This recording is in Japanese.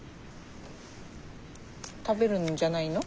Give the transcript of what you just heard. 食べるんじゃないの？